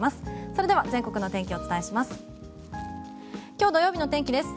それでは全国のお天気をお伝えします。